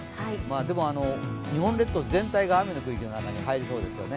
でも日本列島全体が雨の区域に入りそうですね。